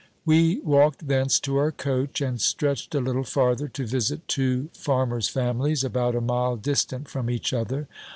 We walked thence to our coach, and stretched a little farther, to visit two farmers' families, about a mile distant from each other.